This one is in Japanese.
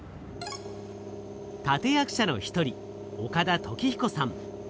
立て役者の一人岡田貴彦さん。